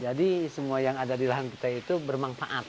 jadi semua yang ada di lahan kita itu bermanfaat